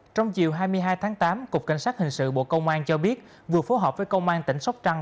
trong chiều hai mươi hai tháng tám cục cảnh sát hình sự bộ công an cho biết vừa phối hợp với công an tỉnh sóc trăng